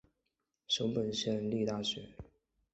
熊本县立大学